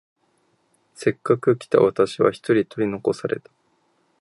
せっかく来た私は一人取り残された。